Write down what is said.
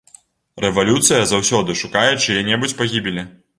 Рэвалюцыя заўсёды шукае чые-небудзь пагібелі.